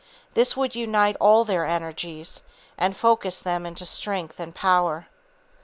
This would unite all their energies, and focus them into strength and power.